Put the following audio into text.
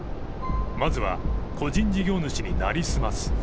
まずは、個人事業主に成り済ます。